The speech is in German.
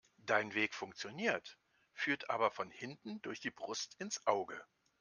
Dein Weg funktioniert, führt aber von hinten durch die Brust ins Auge.